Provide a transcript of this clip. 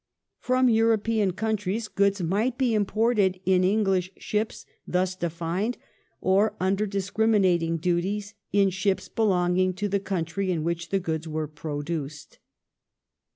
From European countries goods might be imported in English ships, thus defined, or, under discriminating duties, in ships belonging to the country in which the goods were produced.